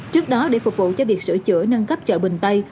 trước đó để phục vụ cho việc sửa chữa nâng cấp chợ bình tây